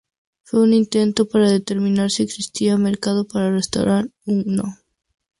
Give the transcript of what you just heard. Fue un intento para determinar si existía mercado para restaurar "Unknown".